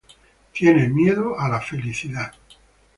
Tiene miedo a la felicidad.